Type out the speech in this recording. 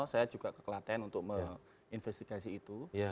saya juga keklaten untuk menginvestigasi itu